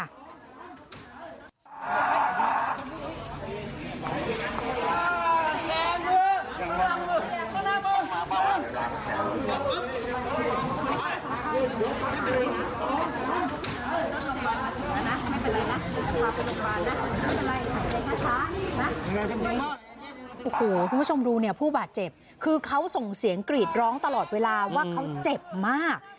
โอ้โหคุณผู้ชมดูเนี่ยผู้บาดเจ็บคือเขาส่งเสียงกรีดร้องตลอดเวลาว่าเขาเจ็บมาก